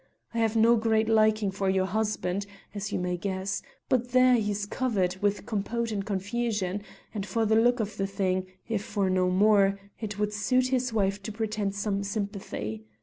I have no great liking for your husband, as you may guess; but there he's covered with compote and confusion, and for the look of the thing, if for no more, it would suit his wife to pretend some sympathy.